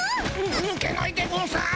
ぬけないでゴンス。